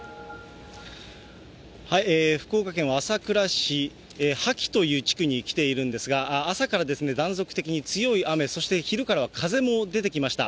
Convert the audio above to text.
福岡県は朝倉市はきという地区に来ているんですが、朝から断続的に強い雨、そして昼からは風も出てきました。